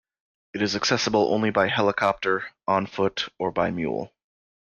It is accessible only by helicopter, on foot or by mule.